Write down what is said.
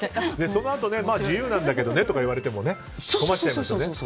そのあと自由なんだけどねとか言われても困っちゃいますよね。